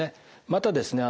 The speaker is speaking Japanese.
またですね